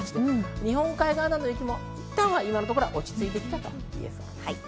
日本海側などの雪もいったん落ち着いてきたといえそうです。